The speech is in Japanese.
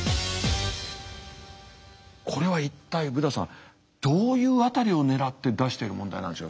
これは一体ブダさんどういう辺りをねらって出してる問題なんでしょう？